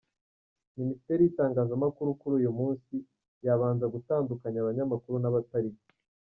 Ministeri y’itangazamakuru kuri uyu munsi yabanza gutandukanya abanyamakuru n’abatari bo.